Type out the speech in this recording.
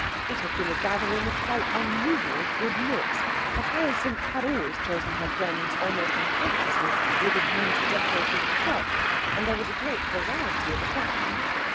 It had been a gathering of quite unusual good looks, for Hyacinth had always chosen her friends almost unconsciously with a view to decorative effect, and there was great variety of attraction.